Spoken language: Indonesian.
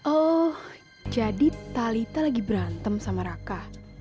oh jadi talitha lagi berantem sama raka